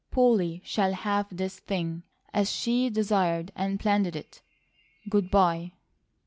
Polly shall have this thing as she desired and planned it. Good bye."